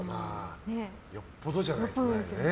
よっぽどじゃないとないね。